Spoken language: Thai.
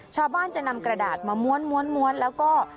ชาวบ้านจะนำกระดาษมาม้วนแล้วก็